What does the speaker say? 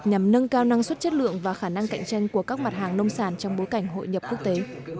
nhằm nâng cao năng suất chất lượng và khả năng cạnh tranh của các mặt hàng nông sản trong bối cảnh hội nhập quốc tế